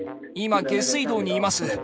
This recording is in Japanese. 今、下水道にいます。